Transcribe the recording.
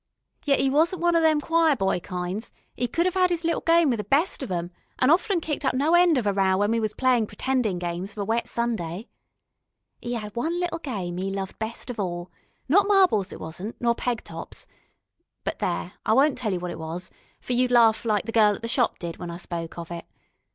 Yet 'e wasn't one of them choir boy kinds, 'e could 'ave 'is little game with the best of 'em, an' often kicked up no end of a row when we was playin' pretendin' games of a wet Sunday. 'E 'ad one little game 'e loved best of all not marbles, it wasn't, nor peg tops but there, I won't tell you what it was, for you'd laugh like the gal at the shop did when I spoke of it.